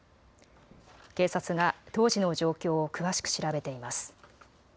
警察が当時の状況を詳しく調べています。